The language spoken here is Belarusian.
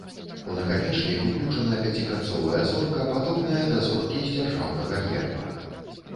У наканечнік уключана пяціканцовая зорка, падобная да зоркі з дзяржаўнага герба.